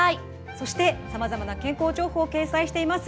そしてさまざまな健康情報を掲載しています